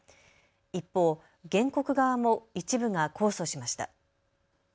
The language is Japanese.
一方、原告側も一部が控訴しました。